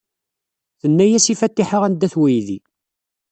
Tenna-as i Fatiḥa anda-t weydi.